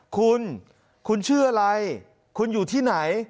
คุณคุณชื่ออะไรคุณอยู่ที่ไหน